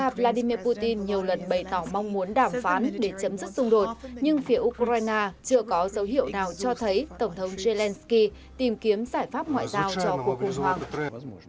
vladimir putin nhiều lần bày tỏ mong muốn đảm phán để chấm dứt xung đột nhưng phía ukraine chưa có dấu hiệu nào cho thấy tổng thống zelenskyy tìm kiếm giải pháp ngoại giao cho cuộc nối thoại